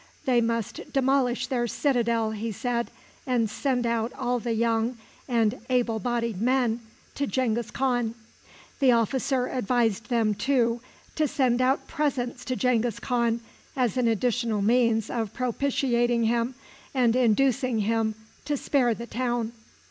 They must demolish their citadel, he said, and send out all the young and able bodied men to Genghis Khan. The officer advised them, too, to send out presents to Genghis Khan as an additional means of propitiating him and inducing him to spare the town.